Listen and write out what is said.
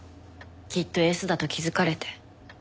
きっとＳだと気づかれて。